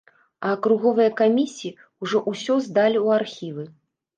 А акруговыя камісіі ўжо ўсё здалі ў архівы.